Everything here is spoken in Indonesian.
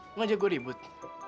lu ngajak gua ribut